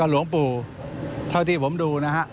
หลวงปู่เท่าที่ผมดูนะฮะ